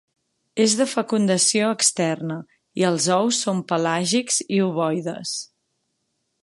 És de fecundació externa i els ous són pelàgics i ovoides.